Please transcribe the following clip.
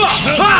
aku akan mencari